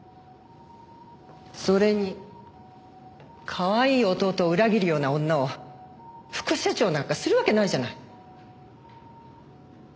それにかわいい弟を裏切るような女を副社長になんかするわけないじゃない。